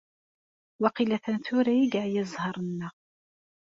Waqil atan tura i yeɛya ẓẓher-nneɣ.